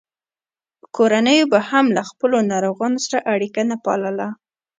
کورنیو به هم له خپلو ناروغانو سره اړیکه نه پاللـه.